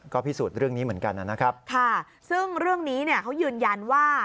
ก็พิสูจน์เรื่องนี้เหมือนกันนะครับค่ะซึ่งเรื่องนี้เนี่ยเขายืนยันว่า